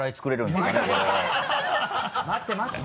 待って待って。